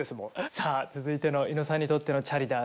さあ続いての猪野さんにとっての「チャリダー★」